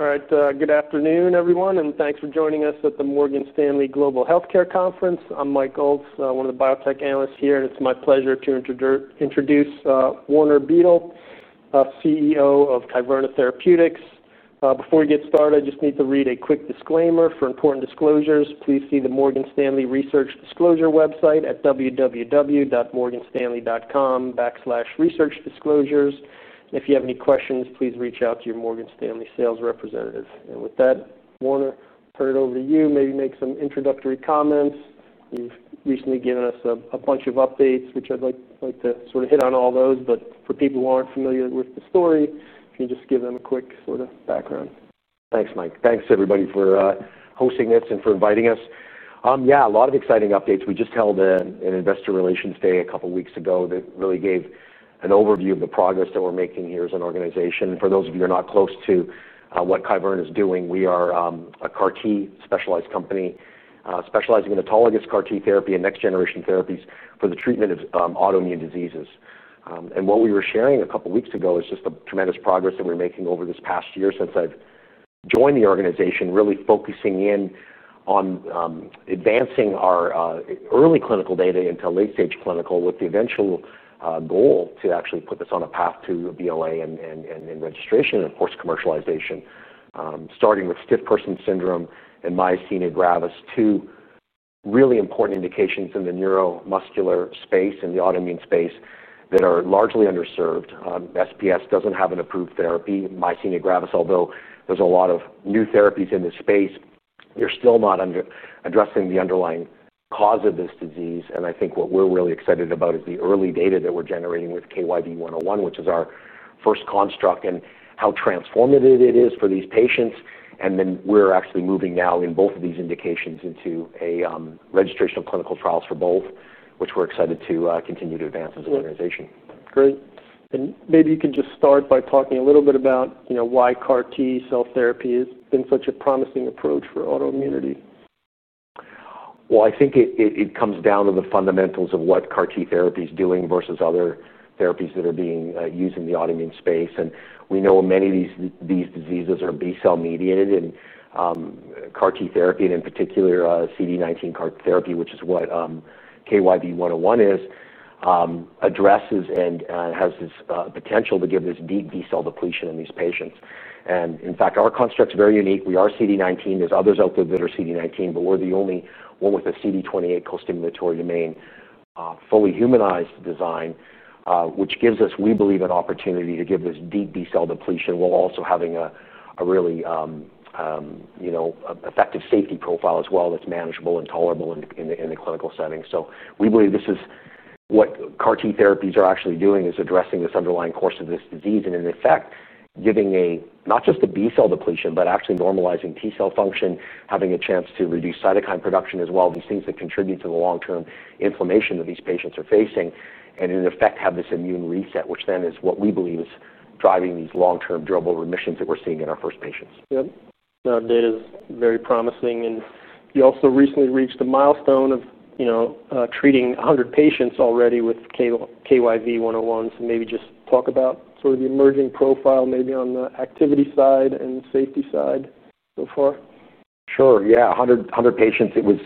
All right. Good afternoon, everyone, and thanks for joining us at the Morgan Stanley Global Healthcare Conference. I'm Michael Goltz, one of the biotech analysts here, and it's my pleasure to introduce Warner Biddle, CEO of Kyverna Therapeutics. Before we get started, I just need to read a quick disclaimer for important disclosures. Please see the Morgan Stanley Research Disclosure website at www.morganstanley.com/researchdisclosures. If you have any questions, please reach out to your Morgan Stanley sales representative. With that, Warner, I'll turn it over to you. Maybe make some introductory comments. You've recently given us a bunch of updates, which I'd like to sort of hit on all those. For people who aren't familiar with the story, if you can just give them a quick sort of background. Thanks, Mike. Thanks, everybody, for hosting this and for inviting us. Yeah, a lot of exciting updates. We just held an investor relations day a couple of weeks ago that really gave an overview of the progress that we're making here as an organization. For those of you that are not close to what Kyverna Therapeutics is doing, we are a CAR-T specialized company specializing in autologous CAR-T cell therapies and next-generation therapies for the treatment of autoimmune diseases. What we were sharing a couple of weeks ago is just the tremendous progress that we're making over this past year since I've joined the organization, really focusing in on advancing our early clinical data into late-stage clinical with the eventual goal to actually put this on a path to BLA and registration and, of course, commercialization. Starting with stiff-person syndrome and myasthenia gravis, two really important indications in the neuromuscular space and the autoimmune space that are largely underserved. SPS doesn't have an approved therapy, myasthenia gravis, although there's a lot of new therapies in this space. You're still not addressing the underlying cause of this disease. I think what we're really excited about is the early data that we're generating with KYV-101, which is our first construct, and how transformative it is for these patients. We're actually moving now in both of these indications into a registration of clinical trials for both, which we're excited to continue to advance as an organization. Great. Maybe you can just start by talking a little bit about why CAR-T cell therapy has been such a promising approach for autoimmunity. I think it comes down to the fundamentals of what CAR-T therapy is doing versus other therapies that are being used in the autoimmune space. We know many of these diseases are B-cell mediated. CAR-T therapy, and in particular CD19 CAR therapy, which is what KYV-101 is, addresses and has this potential to give this deep B-cell depletion in these patients. In fact, our construct is very unique. We are CD19. There are others out there that are CD19, but we're the only one with a CD28 co-stimulatory domain fully humanized design, which gives us, we believe, an opportunity to give this deep B-cell depletion while also having a really effective safety profile as well that's manageable and tolerable in the clinical setting. We believe this is what CAR-T therapies are actually doing, is addressing this underlying course of this disease and, in effect, giving not just a B-cell depletion, but actually normalizing T-cell function, having a chance to reduce cytokine production as well, these things that contribute to the long-term inflammation that these patients are facing, and in effect, have this immune reset, which then is what we believe is driving these long-term durable remissions that we're seeing in our first patients. Yeah. The data is very promising. You also recently reached a milestone of treating 100 patients already with KYV-101. Maybe just talk about sort of the emerging profile, maybe on the activity side and safety side so far. Sure. Yeah, 100 patients. It was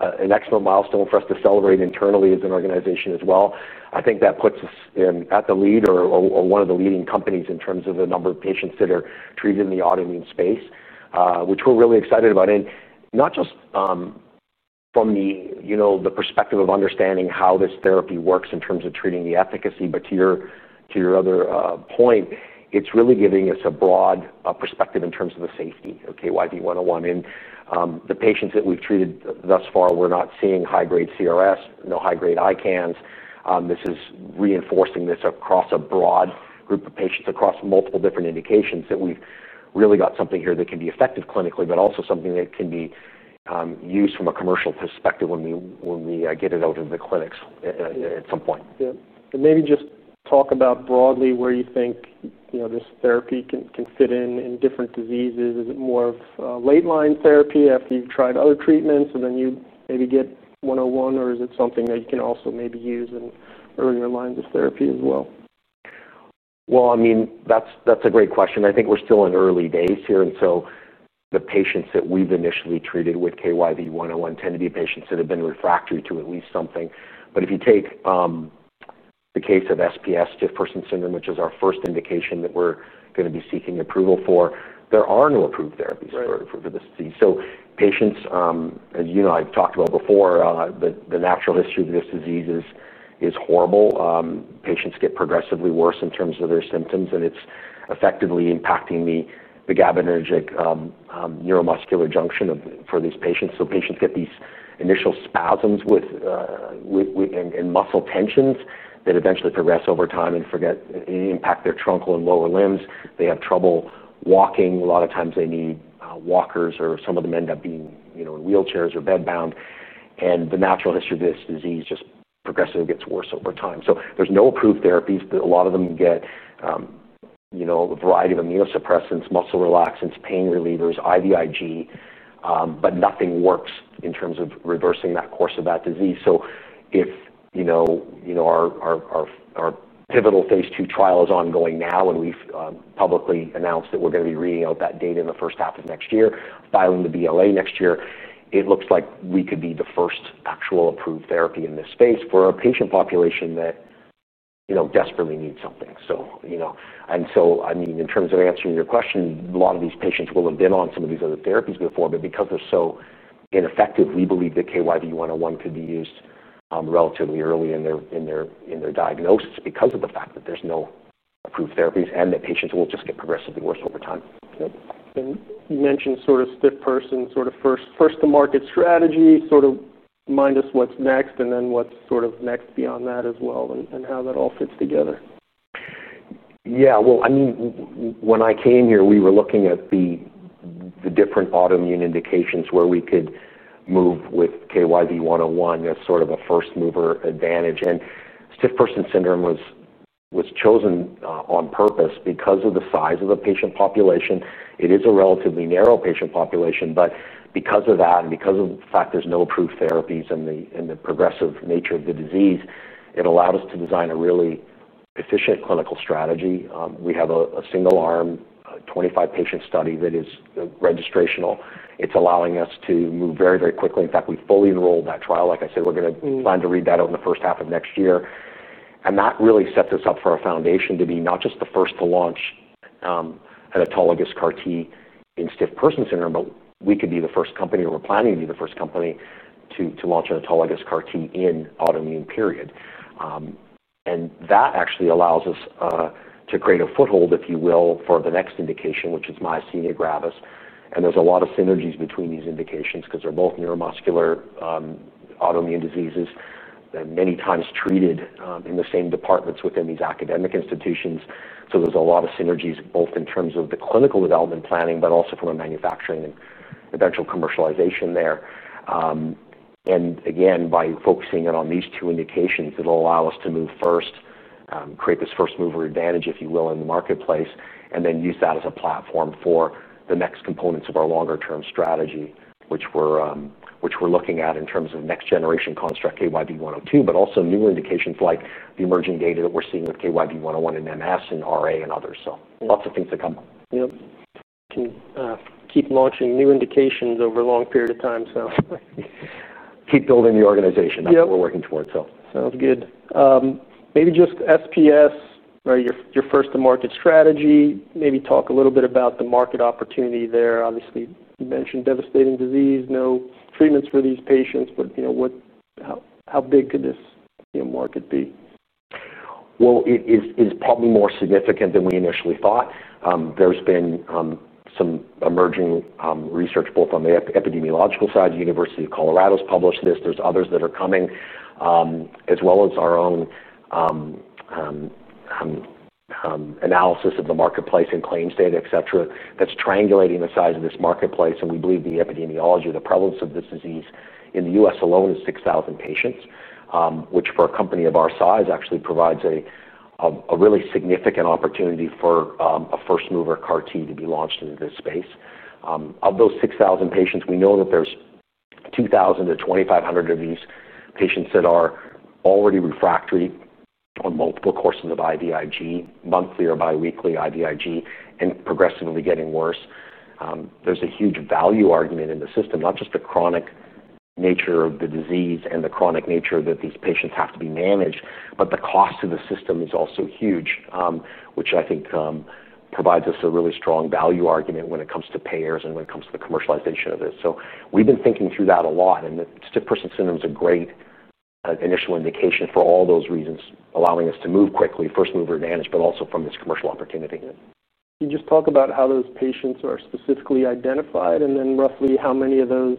an excellent milestone for us to celebrate internally as an organization as well. I think that puts us in at the lead or one of the leading companies in terms of the number of patients that are treated in the autoimmune space, which we're really excited about. Not just from the perspective of understanding how this therapy works in terms of treating the efficacy, it's really giving us a broad perspective in terms of the safety of KYV-101. The patients that we've treated thus far, we're not seeing high-grade CRS, no high-grade ICANNs. This is reinforcing this across a broad group of patients across multiple different indications that we've really got something here that can be effective clinically, but also something that can be used from a commercial perspective when we get it out into the clinics at some point. Maybe just talk about broadly where you think this therapy can fit in in different diseases. Is it more of late-line therapy after you've tried other treatments and then you maybe get 101, or is it something that you can also maybe use in earlier lines of therapy as well? That's a great question. I think we're still in early days here. The patients that we've initially treated with KYV-101 tend to be patients that have been refractory to at least something. If you take the case of stiff-person syndrome (SPS), which is our first indication that we're going to be seeking approval for, there are no approved therapies for this disease. As you and I have talked about before, the natural history of this disease is horrible. Patients get progressively worse in terms of their symptoms, and it's effectively impacting the vagabenergic neuromuscular junction for these patients. Patients get these initial spasms and muscle tensions that eventually progress over time and impact their truncal and lower limbs. They have trouble walking. A lot of times, they need walkers, or some of them end up being in wheelchairs or bedbound. The natural history of this disease just progressively gets worse over time. There's no approved therapies, but a lot of them get a variety of immunosuppressants, muscle relaxants, pain relievers, IVIG, but nothing works in terms of reversing that course of that disease. Our pivotal phase 2 trial is ongoing now, and we've publicly announced that we're going to be reading out that data in the first half of next year, filing the BLA next year. It looks like we could be the first actual approved therapy in this space for a patient population that desperately needs something. In terms of answering your question, a lot of these patients will have been on some of these other therapies before. Because they're so ineffective, we believe that KYV-101 could be used relatively early in their diagnosis because of the fact that there's no approved therapies and that patients will just get progressively worse over time. Yep. You mentioned sort of stiff-person, sort of first-to-market strategy. Sort of mind us what's next, and then what's sort of next beyond that as well and how that all fits together. Yeah. When I came here, we were looking at the different autoimmune indications where we could move with KYV-101 as sort of a first-mover advantage. Stiff-person syndrome was chosen on purpose because of the size of the patient population. It is a relatively narrow patient population. Because of that and because of the fact there's no approved therapies and the progressive nature of the disease, it allowed us to design a really efficient clinical strategy. We have a single-arm, 25-patient study that is registrational. It's allowing us to move very, very quickly. In fact, we fully enrolled that trial. Like I said, we're going to plan to read that out in the first half of next year. That really sets us up for our foundation to be not just the first to launch an autologous CAR-T in stiff-person syndrome, but we could be the first company, or we're planning to be the first company to launch an autologous CAR-T in autoimmune period. That actually allows us to create a foothold, if you will, for the next indication, which is myasthenia gravis. There's a lot of synergies between these indications because they're both neuromuscular autoimmune diseases that are many times treated in the same departments within these academic institutions. There's a lot of synergies both in terms of the clinical development planning, but also from a manufacturing and eventual commercialization there. By focusing in on these two indications, it'll allow us to move first, create this first-mover advantage, if you will, in the marketplace, and then use that as a platform for the next components of our longer-term strategy, which we're looking at in terms of next-generation construct KYV-102, but also newer indications like the emerging data that we're seeing with KYV-101 in MS and RA and others. Lots of things to come. Yeah, keep launching new indications over a long period of time. Keep building the organization. That's what we're working towards. Sounds good. Maybe just SPS, right, your first-to-market strategy, maybe talk a little bit about the market opportunity there. Obviously, you mentioned devastating disease, no treatments for these patients. What, how big could this market be? It is probably more significant than we initially thought. There's been some emerging research both on the epidemiological side. The University of Colorado has published this. There's others that are coming, as well as our own analysis of the marketplace and claims data, etc., that's triangulating the size of this marketplace. We believe the epidemiology or the prevalence of this disease in the U.S. alone is 6,000 patients, which for a company of our size actually provides a really significant opportunity for a first-mover CAR-T to be launched into this space. Of those 6,000 patients, we know that there's 2,000 to 2,500 of these patients that are already refractory on multiple courses of IVIG, monthly or biweekly IVIG, and progressively getting worse. There's a huge value argument in the system, not just the chronic nature of the disease and the chronic nature that these patients have to be managed, but the cost to the system is also huge, which I think provides us a really strong value argument when it comes to payers and when it comes to the commercialization of this. We've been thinking through that a lot. The stiff-person syndrome is a great initial indication for all those reasons, allowing us to move quickly, first-mover advantage, but also from this commercial opportunity. Can you just talk about how those patients are specifically identified, and then roughly how many of those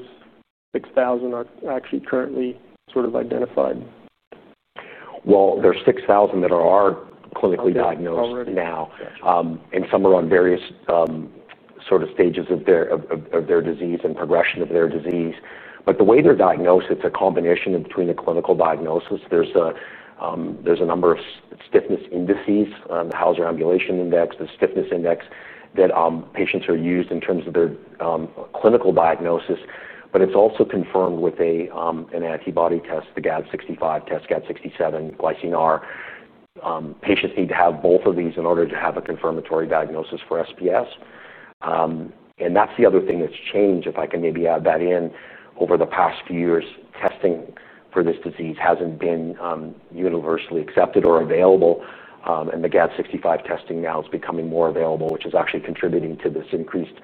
6,000 are actually currently sort of identified? There are 6,000 that are clinically diagnosed now. Some are on various sort of stages of their disease and progression of their disease. The way they're diagnosed, it's a combination between a clinical diagnosis. There's a number of stiffness indices, the Hauser Ambulation Index, the stiffness index that patients are used in terms of the clinical diagnosis. It's also confirmed with an antibody test, the GAD65 test, GAD67, GlycinR. Patients need to have both of these in order to have a confirmatory diagnosis for SPS. That's the other thing that's changed, if I can maybe add that in. Over the past few years, testing for this disease hasn't been universally accepted or available. The GAD65 testing now is becoming more available, which is actually contributing to this increased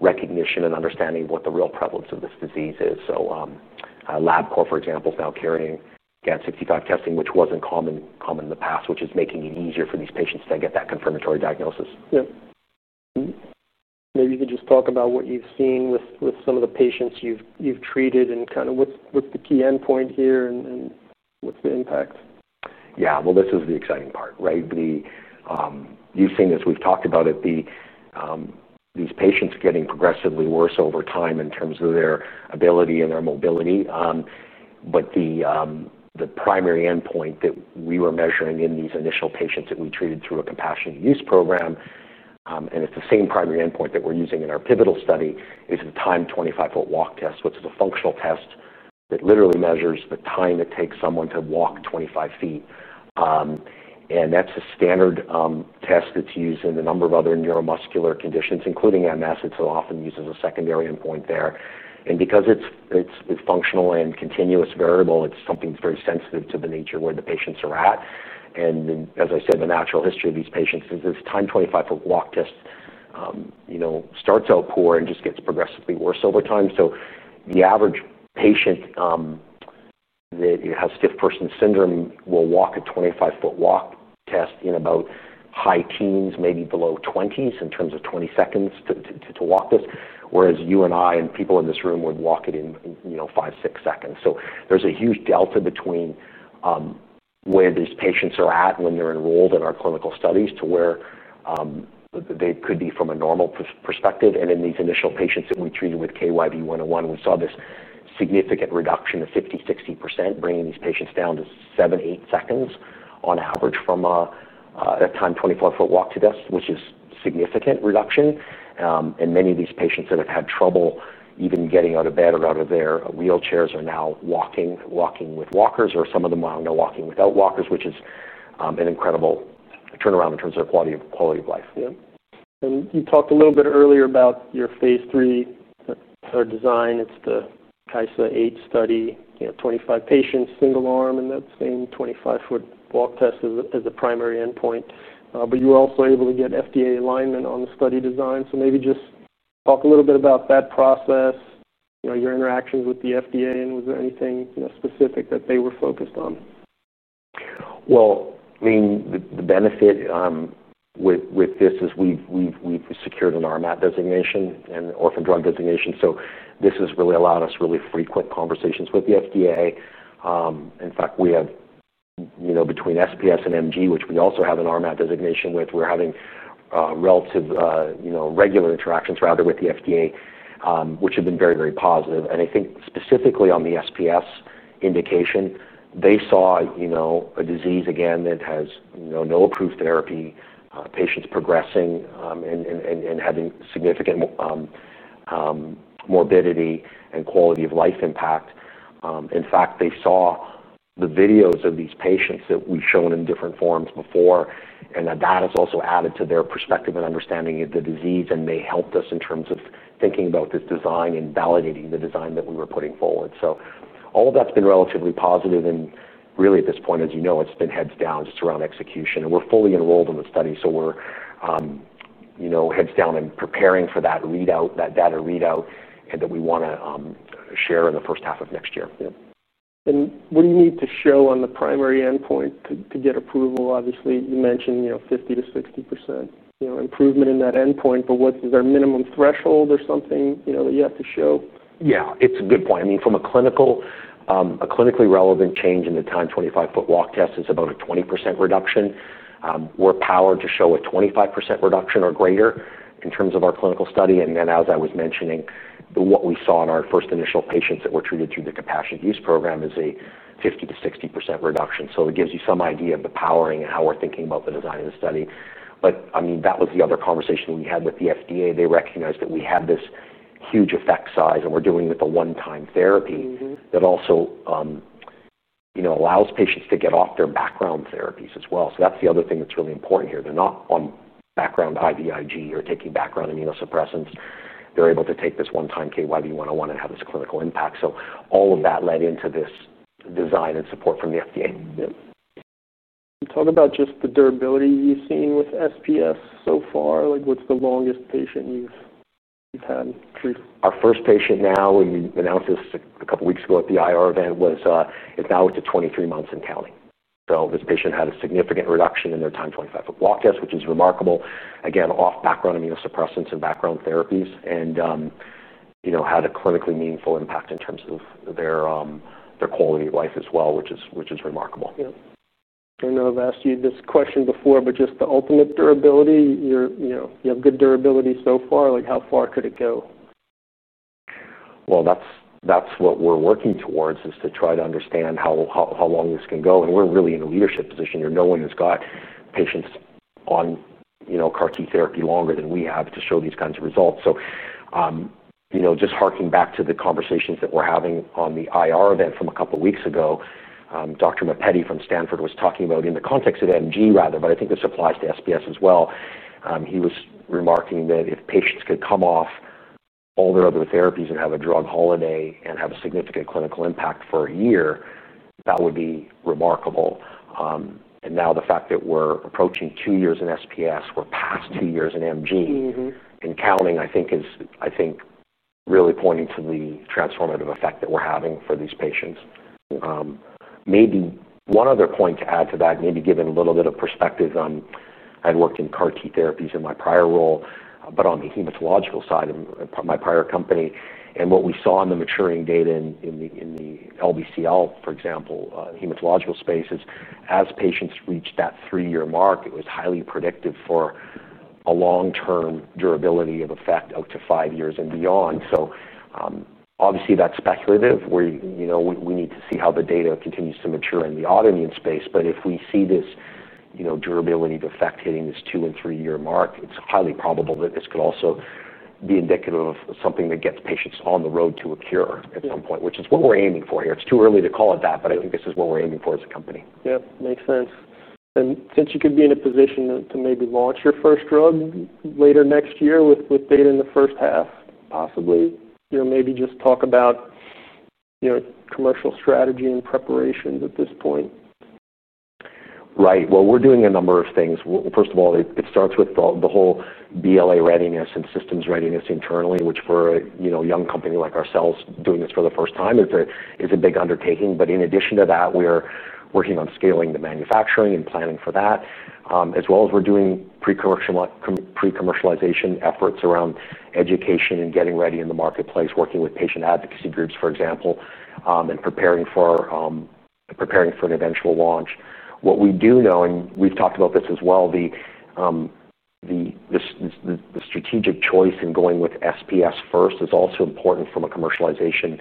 recognition and understanding of what the real prevalence of this disease is. LabCorp, for example, is now carrying GAD65 testing, which wasn't common in the past, which is making it easier for these patients to get that confirmatory diagnosis. Maybe you can just talk about what you've seen with some of the patients you've treated and what's the key endpoint here and what's the impact. Yeah. This is the exciting part, right? You've seen this. We've talked about it. These patients are getting progressively worse over time in terms of their ability and their mobility. The primary endpoint that we were measuring in these initial patients that we treated through a compassionate use program, and it's the same primary endpoint that we're using in our pivotal study, is the time 25-foot walk test, which is a functional test that literally measures the time it takes someone to walk 25 feet. That's a standard test that's used in a number of other neuromuscular conditions, including MS, that often uses a secondary endpoint there. Because it's functional and a continuous variable, it's something that's very sensitive to the nature of where the patients are at. As I said, the natural history of these patients is this time 25-foot walk test starts out poor and just gets progressively worse over time. The average patient that has stiff-person syndrome will walk a 25-foot walk test in about high teens, maybe below 20s in terms of 20 seconds to walk this, whereas you and I and people in this room would walk it in, you know, five, six seconds. There's a huge delta between where these patients are at when they're enrolled in our clinical studies to where they could be from a normal perspective. In these initial patients that we treated with KYV-101, we saw this significant reduction of 50%, 60%, bringing these patients down to seven, eight seconds on average from a time 25-foot walk to this, which is a significant reduction. Many of these patients that have had trouble even getting out of bed or out of their wheelchairs are now walking with walkers, or some of them are now walking without walkers, which is an incredible turnaround in terms of their quality of life. Yeah. You talked a little bit earlier about your phase 3 trial design. It's the KYSA clinical trial study, you know, 25 patients, single arm, and that same time 25-foot walk test as a primary endpoint. You were also able to get FDA alignment on the study design. Maybe just talk a little bit about that process, your interactions with the FDA, and was there anything specific that they were focused on? The benefit with this is we've secured an RMAT designation and an orphan drug designation. This has really allowed us really frequent conversations with the FDA. In fact, we have, you know, between SPS and MG, which we also have an RMAT designation with, we're having regular interactions with the FDA, which have been very, very positive. I think specifically on the SPS indication, they saw a disease again that has no approved therapy, patients progressing and having significant morbidity and quality of life impact. In fact, they saw the videos of these patients that we've shown in different forms before, and that has also added to their perspective and understanding of the disease. They helped us in terms of thinking about this design and validating the design that we were putting forward. All of that's been relatively positive. At this point, as you know, it's been heads down just around execution. We're fully enrolled in the study, so we're heads down and preparing for that readout, that data readout, and that we want to share in the first half of next year. What do you need to show on the primary endpoint to get approval? You mentioned 50 to 60% improvement in that endpoint. What is our minimum threshold or something that you have to show? Yeah, it's a good point. I mean, from a clinically relevant change in the time 25-foot walk test, it's about a 20% reduction. We're powered to show a 25% reduction or greater in terms of our clinical study. As I was mentioning, what we saw in our first initial patients that were treated through the compassionate use program is a 50% to 60% reduction. It gives you some idea of the powering and how we're thinking about the design of the study. That was the other conversation we had with the FDA. They recognized that we had this huge effect size, and we're doing it with a one-time therapy that also, you know, allows patients to get off their background therapies as well. That's the other thing that's really important here. They're not on background IVIG or taking background immunosuppressants. They're able to take this one-time KYV-101 and have this clinical impact. All of that led into this design and support from the FDA. Yeah. Talk about just the durability you've seen with SPS so far. What's the longest patient use you've had? Our first patient now, and we announced this a couple of weeks ago at the IR event, is now at 23 months and counting. This patient had a significant reduction in their time 25-foot walk test, which is remarkable, again, off background immunosuppressants and background therapies, and had a clinically meaningful impact in terms of their quality of life as well, which is remarkable. Yeah. I've asked you this question before, but just the ultimate durability. You have good durability so far. How far could it go? That's what we're working towards, to try to understand how long this can go. We're really in a leadership position here. No one has got patients on, you know, CAR-T therapy longer than we have to show these kinds of results. Just harking back to the conversations that we're having on the IR event from a couple of weeks ago, Dr. Mappetti from Stanford was talking about in the context of MG, rather, but I think this applies to SPS as well. He was remarking that if patients could come off all their other therapies and have a drug holiday and have a significant clinical impact for a year, that would be remarkable. Now the fact that we're approaching two years in SPS, we're past two years in MG and counting, I think, is really pointing to the transformative effect that we're having for these patients. Maybe one other point to add to that, maybe giving a little bit of perspective, I had worked in CAR-T therapies in my prior role, but on the hematological side of my prior company. What we saw in the maturing data in the LBCL, for example, hematological space is as patients reach that three-year mark, it was highly predictive for a long-term durability of effect out to five years and beyond. Obviously, that's speculative. We need to see how the data continues to mature in the autoimmune space. If we see this durability of effect hitting this two and three-year mark, it's highly probable that this could also be indicative of something that gets patients on the road to a cure at some point, which is what we're aiming for here. It's too early to call it that, but I think this is what we're aiming for as a company. Makes sense. Since you could be in a position to maybe launch your first drug later next year with data in the first half. Possibly. You know, maybe just talk about your commercial strategy and preparations at this point. Right. We're doing a number of things. First of all, it starts with the whole BLA readiness and systems readiness internally, which for a young company like ourselves doing this for the first time is a big undertaking. In addition to that, we're working on scaling the manufacturing and planning for that, as well as doing pre-commercialization efforts around education and getting ready in the marketplace, working with patient advocacy groups, for example, and preparing for an eventual launch. What we do know, and we've talked about this as well, the strategic choice in going with SPS first is also important from a commercialization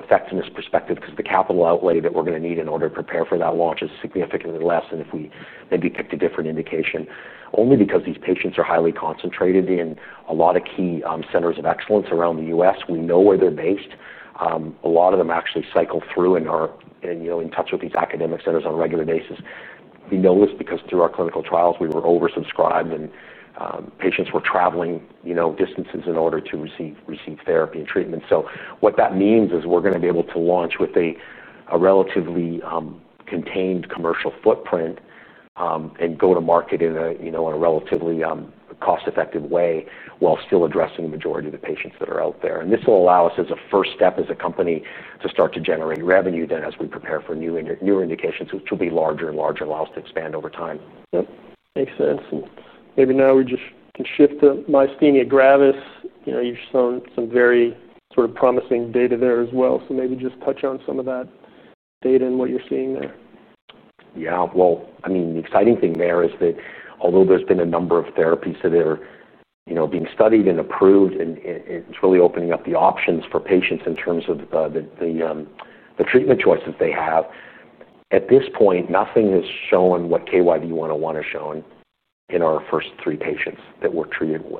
effectiveness perspective because the capital outlay that we're going to need in order to prepare for that launch is significantly less than if we picked a different indication. Only because these patients are highly concentrated in a lot of key centers of excellence around the U.S. We know where they're based. A lot of them actually cycle through and are in touch with these academic centers on a regular basis. We know this because through our clinical trials, we were oversubscribed, and patients were traveling distances in order to receive therapy and treatment. What that means is we're going to be able to launch with a relatively contained commercial footprint and go to market in a relatively cost-effective way while still addressing the majority of the patients that are out there. This will allow us as a first step as a company to start to generate revenue as we prepare for new indications, which will be larger and larger and allow us to expand over time. Makes sense. Maybe now we just can shift to myasthenia gravis. You know, you've shown some very sort of promising data there as well. Maybe just touch on some of that data and what you're seeing there. Yeah. The exciting thing there is that although there's been a number of therapies that are being studied and approved, and it's really opening up the options for patients in terms of the treatment choice that they have, at this point, nothing has shown what KYV-101 has shown in our first three patients that were treated with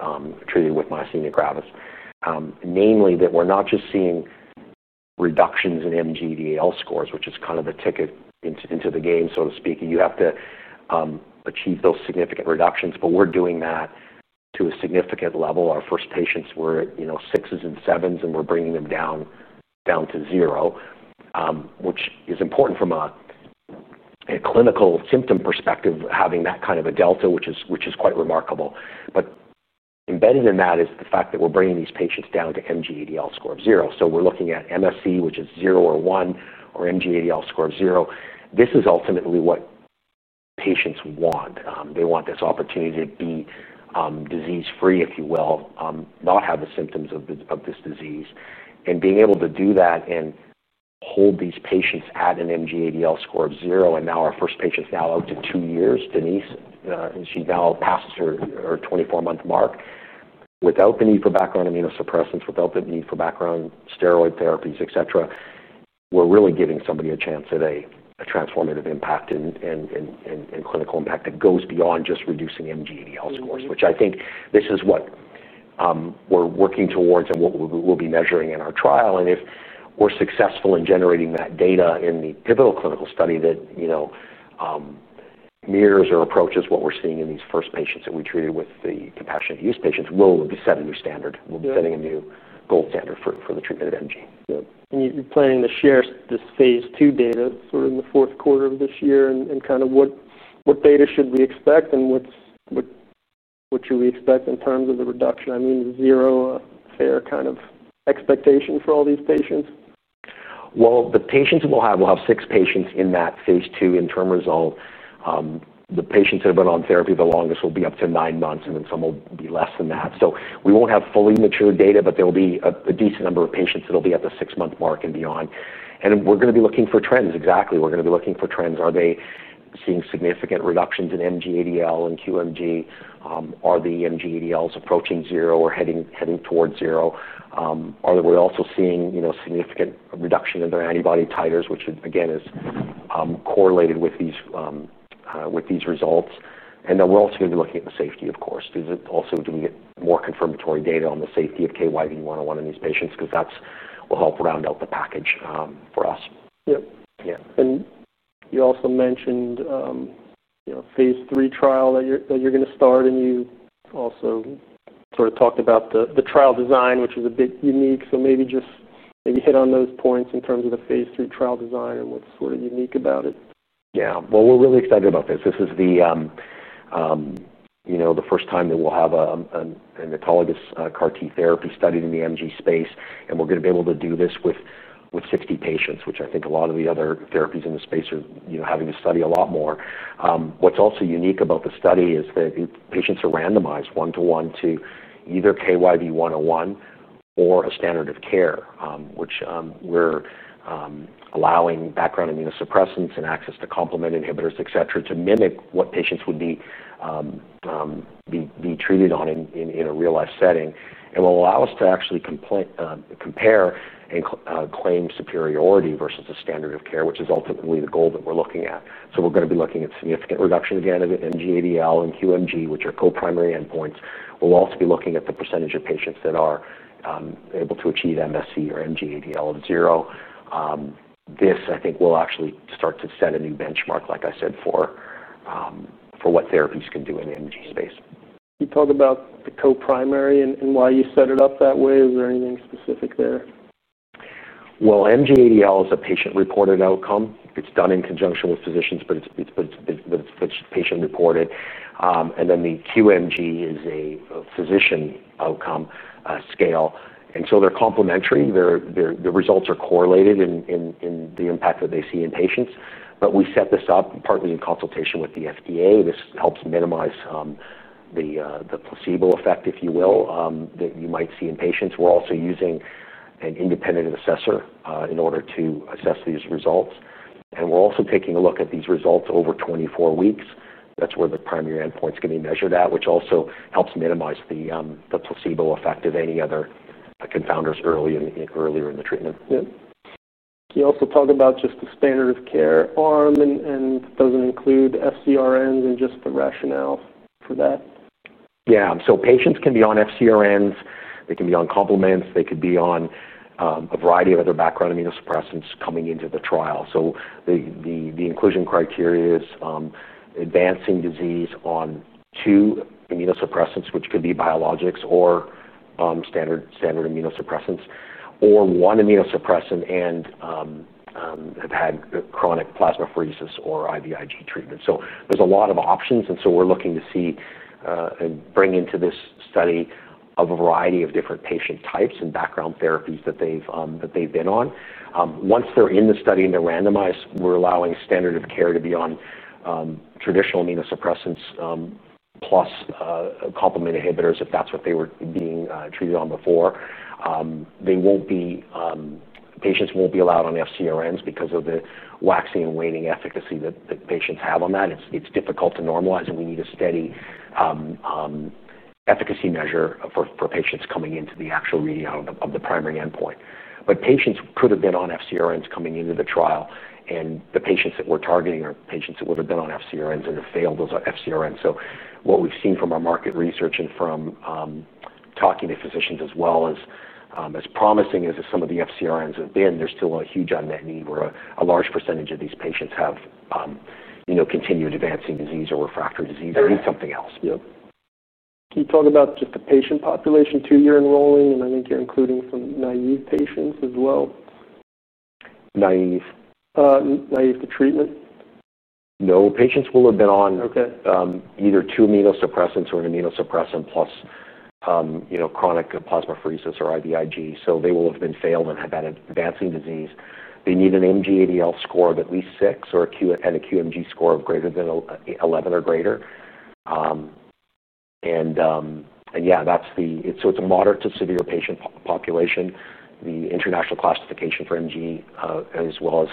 myasthenia gravis. Namely, that we're not just seeing reductions in MGDL scores, which is kind of the ticket into the game, so to speak. You have to achieve those significant reductions. We're doing that to a significant level. Our first patients were at sixes and sevens, and we're bringing them down to zero, which is important from a clinical symptom perspective, having that kind of a delta, which is quite remarkable. Embedded in that is the fact that we're bringing these patients down to MGDL score of zero. We're looking at MSC, which is zero or one, or MGDL score of zero. This is ultimately what patients want. They want this opportunity to be disease-free, if you will, not have the symptoms of this disease. Being able to do that and hold these patients at an MGDL score of zero, and now our first patient is now out to two years, Denise, and she's now past her 24-month mark, without the need for background immunosuppressants, without the need for background steroid therapies, etc., we're really giving somebody a chance at a transformative impact and clinical impact that goes beyond just reducing MGDL scores, which I think this is what we're working towards and what we'll be measuring in our trial. If we're successful in generating that data in the pivotal clinical study that mirrors or approaches what we're seeing in these first patients that we treated with the compassionate use patients, we'll have set a new standard. We'll be setting a new gold standard for the treatment of MG. Yeah, you're planning to share this phase 2 data in the fourth quarter of this year. What data should we expect, and what should we expect in terms of the reduction? I mean, zero fair kind of expectation for all these patients? The patients we'll have, we'll have six patients in that phase 2 interim result. The patients that have been on therapy the longest will be up to nine months, and some will be less than that. We won't have fully matured data, but there'll be a decent number of patients that'll be at the six-month mark and beyond. We're going to be looking for trends. Exactly. We're going to be looking for trends. Are they seeing significant reductions in MGDL and QMD? Are the MGDLs approaching zero or heading towards zero? Are we also seeing significant reduction in their antibody titers, which, again, is correlated with these results? We're also going to be looking at the safety, of course. Do we get more confirmatory data on the safety of KYV-101 in these patients? That will help round out the package for us. Yeah. You also mentioned, you know, a phase 3 trial that you're going to start. You also sort of talked about the trial design, which is a bit unique. Maybe just hit on those points in terms of the phase 3 trial design or what's sort of unique about it. Yeah. We're really excited about this. This is the, you know, the first time that we'll have an autologous CAR-T cell therapy study in the MG space. We're going to be able to do this with 60 patients, which I think a lot of the other therapies in the space are, you know, having to study a lot more. What's also unique about the study is that patients are randomized one-to-one to either KYV-101 or a standard of care, which we're allowing background immunosuppressants and access to complement inhibitors, etc., to mimic what patients would be treated on in a real-life setting. It will allow us to actually compare and claim superiority versus a standard of care, which is ultimately the goal that we're looking at. We're going to be looking at significant reduction again of MGDL and QMG, which are co-primary endpoints. We'll also be looking at the percentage of patients that are able to achieve MSC or MGDL at zero. This, I think, will actually start to set a new benchmark, like I said, for what therapies can do in the MG space. Can you talk about the co-primary and why you set it up that way? Is there anything specific there? MGDL is a patient-reported outcome. It's done in conjunction with physicians, but it's patient-reported. The QMG is a physician outcome scale, so they're complementary. The results are correlated in the impact that they see in patients. We set this up partly in consultation with the FDA. This helps minimize the placebo effect, if you will, that you might see in patients. We're also using an independent assessor in order to assess these results. We're also taking a look at these results over 24 weeks. That's where the primary endpoint is going to be measured at, which also helps minimize the placebo effect of any other compounders earlier in the treatment. Yeah. Can you also talk about just the standard of care arm, and does it include FCRNs, and just the rationale for that? Yeah. Patients can be on FCRNs, they can be on complements, they could be on a variety of other background immunosuppressants coming into the trial. The inclusion criteria is advancing disease on two immunosuppressants, which could be biologics or standard immunosuppressants, or one immunosuppressant and have had chronic plasmapheresis or IVIG treatment. There are a lot of options. We're looking to see and bring into this study a variety of different patient types and background therapies that they've been on. Once they're in the study and they're randomized, we're allowing standard of care to be on traditional immunosuppressants plus complement inhibitors if that's what they were being treated on before. Patients won't be allowed on FCRNs because of the waxing and waning efficacy that patients have on that. It's difficult to normalize, and we need a steady efficacy measure for patients coming into the actual readout of the primary endpoint. Patients could have been on FCRNs coming into the trial. The patients that we're targeting are patients that would have been on FCRNs and have failed those FCRNs. What we've seen from our market research and from talking to physicians as well is, as promising as some of the FCRNs have been, there's still a huge unmet need where a large percentage of these patients have continued advancing disease or refractory disease or need something else. Yeah. Can you talk about just the patient population too you're enrolling? I think you're including some naive patients as well. Naive? Naive to treatment. No. Patients will have been on either two immunosuppressants or an immunosuppressant plus, you know, chronic plasmapheresis or IVIG. They will have been failed and have had advancing disease. They need an MGADL score of at least 6 and a QMG score of greater than 11. It's a moderate to severe patient population. The international classification for myasthenia gravis as well is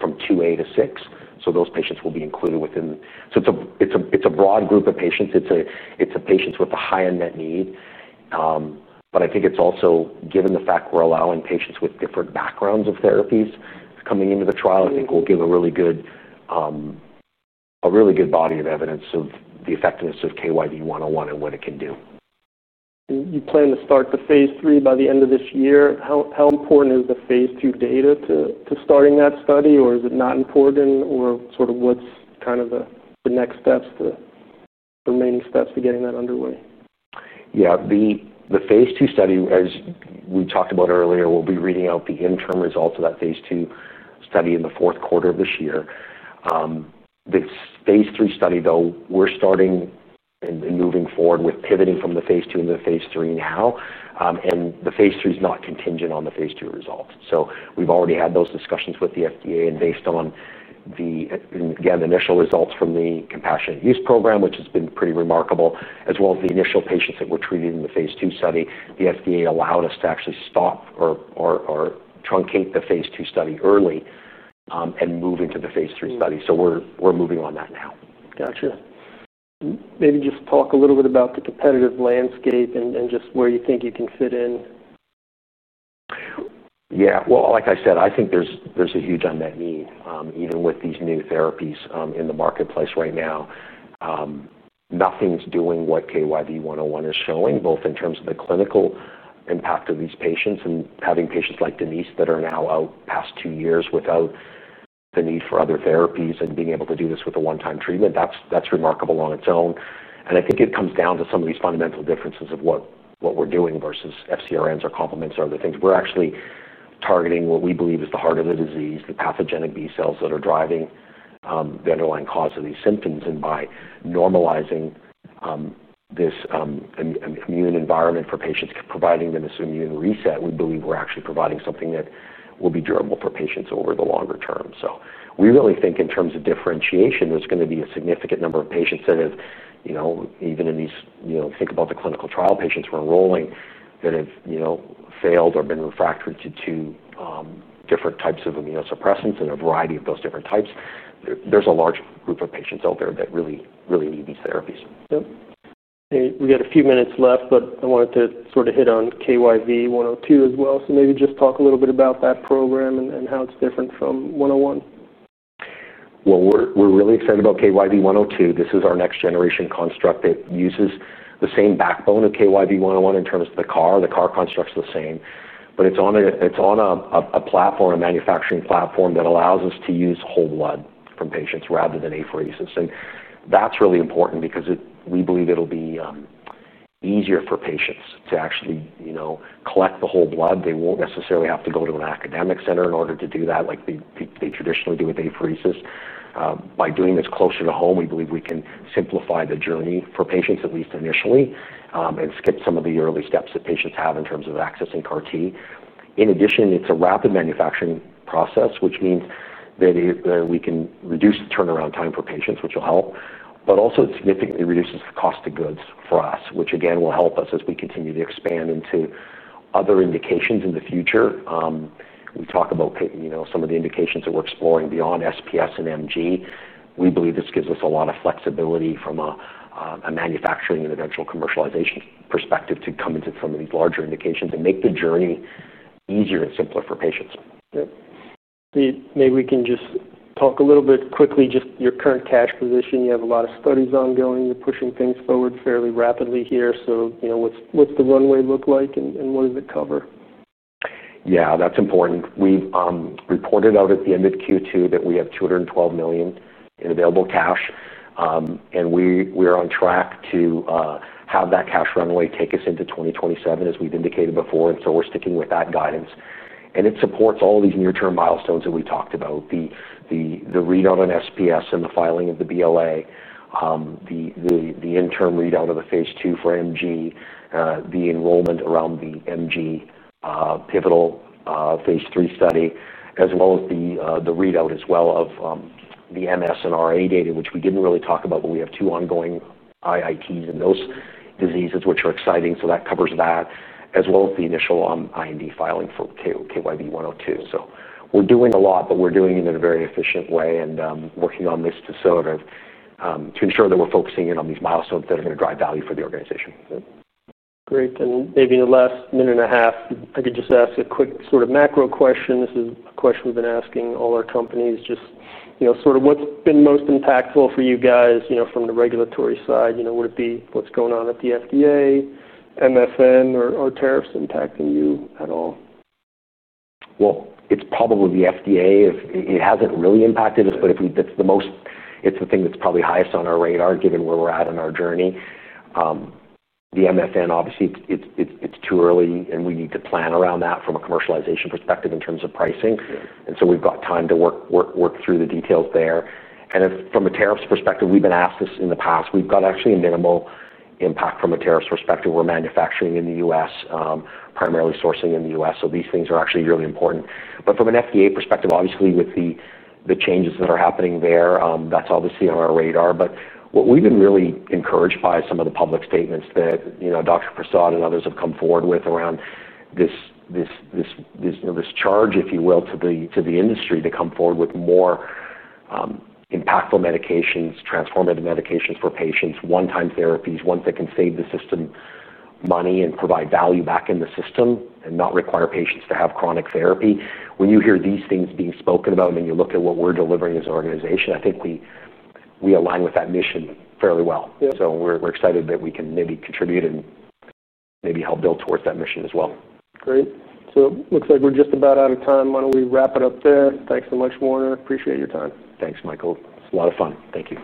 from 2A to 6. Those patients will be included within. It's a broad group of patients. It's patients with a high unmet need. I think it's also, given the fact we're allowing patients with different backgrounds of therapies coming into the trial, I think we'll give a really good body of evidence of the effectiveness of KYV-101 and what it can do. You plan to start the phase 3 by the end of this year. How important is the phase 2 data to starting that study, or is it not important? What's kind of the next steps, the remaining steps to getting that underway? Yeah. The phase 2 study, as we talked about earlier, we'll be reading out the interim results of that phase 2 study in the fourth quarter of this year. The phase 3 study, though, we're starting and moving forward with pivoting from the phase 2 into the phase 3 now. The phase 3 is not contingent on the phase 2 results. We've already had those discussions with the FDA. Based on the initial results from the compassionate use program, which has been pretty remarkable, as well as the initial patients that were treated in the phase 2 study, the FDA allowed us to actually stop or truncate the phase 2 study early and move into the phase 3 study. We're moving on that now. Gotcha. Maybe just talk a little bit about the competitive landscape and just where you think you can fit in. Yeah. Like I said, I think there's a huge unmet need, even with these new therapies in the marketplace right now. Nothing's doing what KYV-101 is showing, both in terms of the clinical impact of these patients and having patients like Denise that are now out past two years without the need for other therapies and being able to do this with a one-time treatment. That's remarkable on its own. I think it comes down to some of these fundamental differences of what we're doing versus FCRNs or complements or other things. We're actually targeting what we believe is the heart of the disease, the pathogenic B cells that are driving the underlying cause of these symptoms. By normalizing this immune environment for patients, providing them this immune reset, we believe we're actually providing something that will be durable for patients over the longer term. In terms of differentiation, there's going to be a significant number of patients that have, you know, even in these, you know, think about the clinical trial patients we're enrolling that have, you know, failed or been refractory to two different types of immunosuppressants and a variety of those different types. There's a large group of patients out there that really, really need these therapies. Yep. We got a few minutes left, but I wanted to sort of hit on KYV-102 as well. Maybe just talk a little bit about that program and how it's different from 101. We're really excited about KYV-102. This is our next-generation construct that uses the same backbone of KYV-101 in terms of the CAR. The CAR construct's the same, but it's on a manufacturing platform that allows us to use whole blood from patients rather than apheresis. That's really important because we believe it'll be easier for patients to actually, you know, collect the whole blood. They won't necessarily have to go to an academic center in order to do that like they traditionally do with apheresis. By doing this closer to home, we believe we can simplify the journey for patients, at least initially, and skip some of the early steps that patients have in terms of accessing CAR-T. In addition, it's a rapid manufacturing process, which means that we can reduce the turnaround time for patients, which will help, but also it significantly reduces the cost of goods for us, which, again, will help us as we continue to expand into other indications in the future. We talk about, you know, some of the indications that we're exploring beyond SPS and MG. We believe this gives us a lot of flexibility from a manufacturing and eventual commercialization perspective to come into some of these larger indications and make the journey easier and simpler for patients. Yeah. Maybe we can just talk a little bit quickly, just your current cash position. You have a lot of studies ongoing. You're pushing things forward fairly rapidly here. You know, what's the runway look like and what does it cover? Yeah, that's important. We've reported out at the end of Q2 that we have $212 million in available cash. We're on track to have that cash runway take us into 2027, as we've indicated before. We're sticking with that guidance, and it supports all of these near-term milestones that we talked about: the readout on SPS and the filing of the BLA, the interim readout of the phase 2 for MG, the enrollment around the MG pivotal phase 3 study, as well as the readout as well of the MS and RA data, which we didn't really talk about, but we have two ongoing IITs in those diseases, which are exciting. That covers that, as well as the initial IND filing for KYV-102. We're doing a lot, but we're doing it in a very efficient way and working on this to sort of ensure that we're focusing in on these milestones that are going to drive value for the organization. Great. Maybe in the last minute and a half, I could just ask a quick sort of macro question. This is a question we've been asking all our companies. Just, you know, sort of what's been most impactful for you guys from the regulatory side? Would it be what's going on at the FDA, MFN, or tariffs impacting you at all? It's probably the FDA. It hasn't really impacted us, but if that's the most, it's the thing that's probably highest on our radar, given where we're at in our journey. The MFN, obviously, it's too early, and we need to plan around that from a commercialization perspective in terms of pricing. We've got time to work through the details there. From a tariffs perspective, we've been asked this in the past. We've got actually a minimal impact from a tariffs perspective. We're manufacturing in the U.S., primarily sourcing in the U.S. These things are actually really important. From an FDA perspective, obviously, with the changes that are happening there, that's obviously on our radar. What we've been really encouraged by is some of the public statements that Dr. Prasad and others have come forward with around this charge, if you will, to the industry to come forward with more impactful medications, transformative medications for patients, one-time therapies, ones that can save the system money and provide value back in the system and not require patients to have chronic therapy. When you hear these things being spoken about and you look at what we're delivering as an organization, I think we align with that mission fairly well. We're excited that we can maybe contribute and maybe help build towards that mission as well. Great. It looks like we're just about out of time. Why don't we wrap it up there? Thanks so much, Warner. Appreciate your time. Thanks, Michael. It's a lot of fun. Thank you.